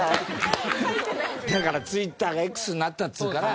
だからＴｗｉｔｔｅｒがＸになったっつうから。